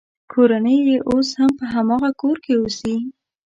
کورنۍ یې اوس هم په هماغه کور کې اوسي.